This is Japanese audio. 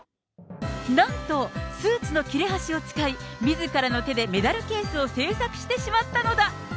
なんと、スーツの切れ端を使い、みずからの手でメダルケースを製作してしまったのだ。